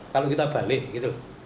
kalau kita balik gitu